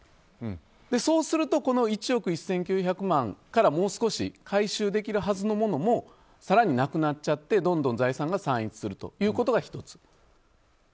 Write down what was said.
そうするとこの１億１９００万円からもう少し回収できるはずのものも更になくなっちゃって、どんどん財産が散逸するということが１つ。